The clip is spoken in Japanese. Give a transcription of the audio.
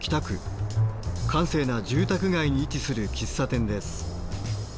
閑静な住宅街に位置する喫茶店です。